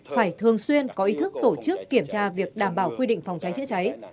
phải thường xuyên có ý thức tổ chức kiểm tra việc đảm bảo quy định phòng cháy chữa cháy